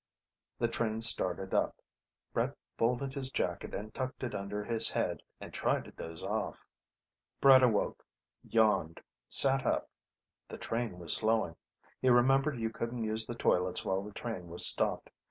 The train started up. Brett folded his jacket and tucked it under his head and tried to doze off.... Brett awoke, yawned, sat up. The train was slowing. He remembered you couldn't use the toilets while the train was stopped.